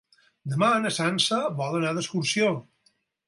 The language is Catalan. Demà na Sança vol anar d'excursió.